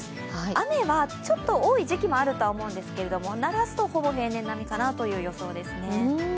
雨はちょっと多い時期もあると思いますが、ならすと平年並みかなという感じですね。